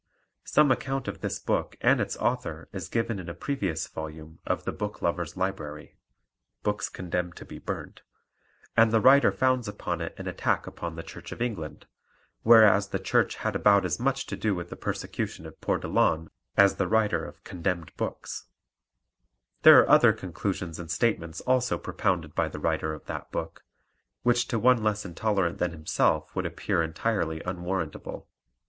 Some account of this book and its author is given in a previous volume of the Book Lover's Library (Books Condemned to be Burnt), and the writer founds upon it an attack upon the Church of England, whereas the Church had about as much to do with the persecution of poor Delaune as the writer of Condemned Books! There are other conclusions and statements also propounded by the writer of that book, which to one less intolerant than himself would appear entirely unwarrantable.